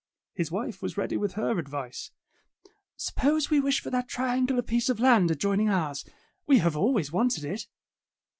His wife was ready with her advice. "Suppose we wish for that triangular piece of land adjoining ours. We have always wanted it."